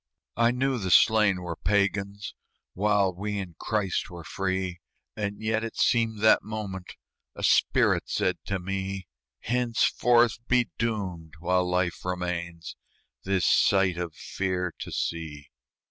I knew the slain were Pagans, While we in Christ were free, And yet it seemed that moment A spirit said to me: "Henceforth be doomed while life remains This sight of fear to see."